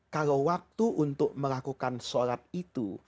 kalau waktu untuk melakukan sholat itu